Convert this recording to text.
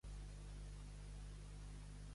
A Veo, llops i a l'Alcúdia, raboses.